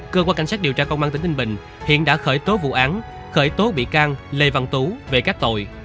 cơ quan cảnh sát điều tra công an tỉnh ninh bình hiện đã khởi tố vụ án khởi tố bị can lê văn tú về các tội